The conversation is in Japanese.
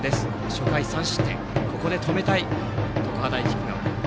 初回３失点ここで止めたい常葉大菊川。